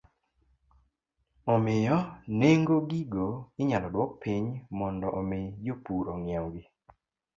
Omiyo, nengo gigo inyalo duok piny mondo omi jopur ong'iewgi